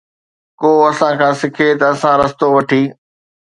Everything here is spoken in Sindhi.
ڪو اسان کان سکي ته آسان رستو وٺي.